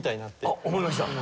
あっ思いました？